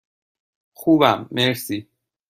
خوبم، مرسی.